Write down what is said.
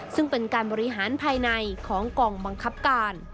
ซึ่งเป็นการบริหารภายในของกองบังคับการ